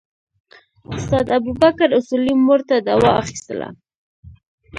استاد ابوبکر اصولي مور ته دوا اخیستله.